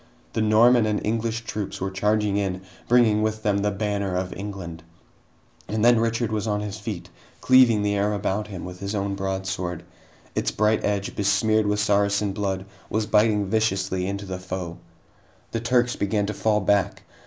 The Norman and English troops were charging in, bringing with them the banner of England! And then Richard was on his feet, cleaving the air about him with his own broadsword. Its bright edge, besmeared with Saracen blood, was biting viciously into the foe. The Turks began to fall back.